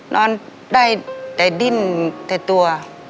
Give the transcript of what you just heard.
นอนได้แต่ดิ้นแต่ตัว